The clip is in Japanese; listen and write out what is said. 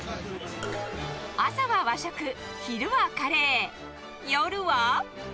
朝は和食、昼はカレー、夜は？